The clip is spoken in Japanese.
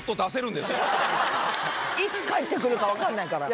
いつ帰って来るか分かんないから。